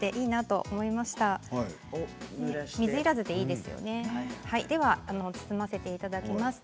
はいでは包ませていただきます。